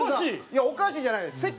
いや「おかしい」じゃないです。